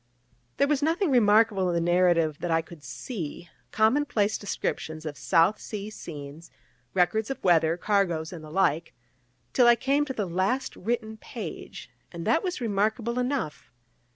There was nothing remarkable in the narrative that I could see common place descriptions of South Sea scenes, records of weather, cargoes, and the like till I came to the last written page: and that was remarkable enough.